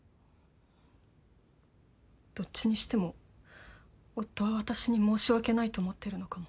どっちにしても夫は私に申し訳ないと思ってるのかも。